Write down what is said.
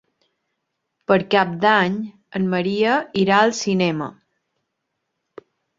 Per Cap d'Any en Maria irà al cinema.